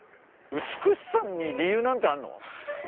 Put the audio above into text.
美しさに理由なんてあんの？